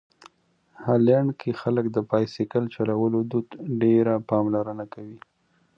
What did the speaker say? هالنډ کې خلک د بایسکل چلولو دود ډېره پاملرنه کوي.